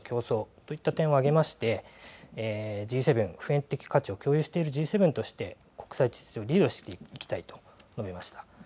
そういった点を挙げましてＧ７、普遍的価値を共有している国際秩序をリードしていきたいと述べました。